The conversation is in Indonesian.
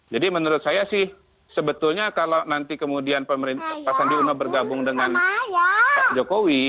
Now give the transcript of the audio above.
menurut saya sih sebetulnya kalau nanti kemudian pak sandi uno bergabung dengan pak jokowi